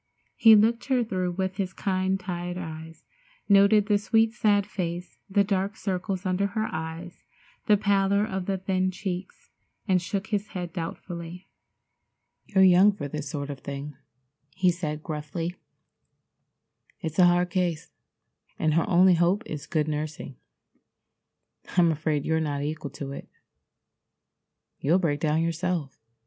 He looked her through with his kind tired eyes, noted the sweet, sad face, the dark circles under her eyes, the pallor of the thin cheeks, and shook his head doubtfully. "You're young for this sort of thing," he said gruffly. "It's a hard case, and her only hope is good nursing. I'm afraid you're not equal to it. You'll break down yourself."